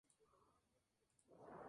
Se dedicó luego al cómic erótico.